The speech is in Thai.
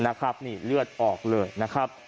นะครับนี่เลือดออกเลยนะครับ